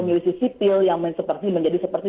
milisi sipil yang menjadi seperti